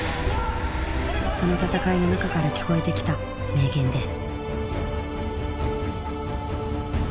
その戦いの中から聞こえてきた名言です。